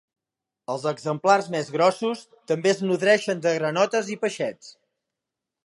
Els exemplars més grossos també es nodreixen de granotes i peixets.